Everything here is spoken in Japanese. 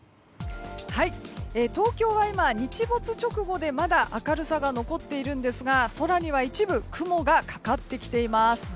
東京は今、日没直後でまだ明るさが残っているんですが空には一部雲がかかってきています。